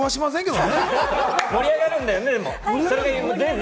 でも盛り上がるんだよね。